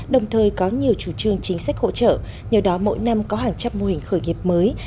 đồng thời có nhiều chủ trương chính sách hỗ trợ nhờ đó mỗi năm có hàng trăm mô hình khởi nghiệp mới